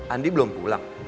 andi belum pulang